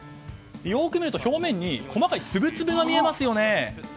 よく見ると表面に細かい粒々が見えますよね。